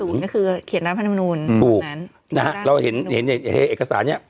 ๖๐นี่คือเขียนรัฐธรรมนูญอืมถูกนะฮะเราเห็นเอกสารเนี่ย